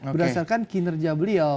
berdasarkan kinerja beliau